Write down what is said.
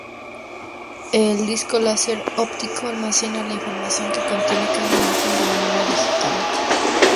El disco láser óptico almacena la información que contiene cada imagen de manera digital.